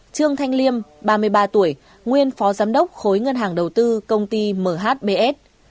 năm trương thanh liêm ba mươi ba tuổi nguyên phó giám đốc khối ngân hàng đầu tư công ty mhbs